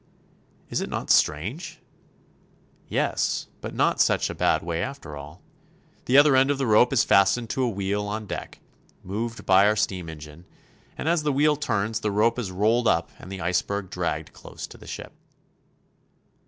Is it not strange? Yes, but not such a bad way after all. The other end of the rope is fastened to a wheel on deck moved by our steam engine, and as the wheel turns the rope is rolled up and the iceberg dragged close to the ship.